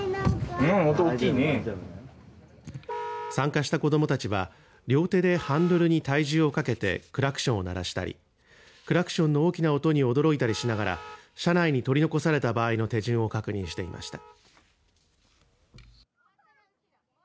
参加した子どもたちは両手でハンドルに体重をかけてクラクションを鳴らしたりクラクションの大きな音に驚いたりしながら車内に取り残された場合の手順を確認していました。